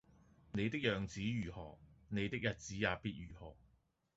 你的樣子如何，你的日子也必如何